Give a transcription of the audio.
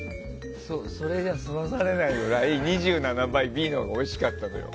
それでは済まされないぐらい２７倍もＢのほうがおいしかったのよ。